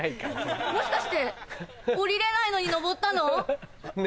もしかして下りれないのに登ったの？